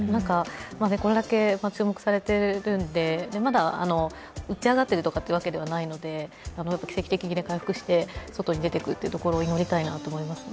これだけ注目されているんでまだ打ち上がってるとかっていうわけではないので奇跡的に回復して外に出ていくことを祈りたいなと思いますね。